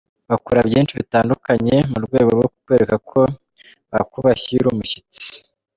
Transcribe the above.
Bakora byinshi bitandukanye mu rwego rwo kukwereka ko bakubashye iyo uri ‘umushyitsi’.